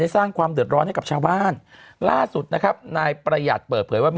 สร้างความเดือดร้อนให้กับชาวบ้านล่าสุดนะครับนายประหยัดเปิดเผยว่ามี